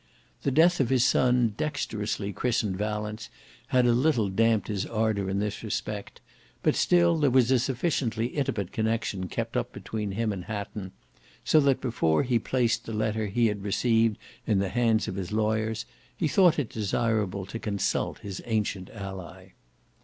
The death of his son dexterously christened Valence had a little damped his ardour in this respect; but still there was a sufficiently intimate connection kept up between him and Hatton; so that before he placed the letter he had received in the hands of his lawyers he thought it desirable to consult his ancient ally.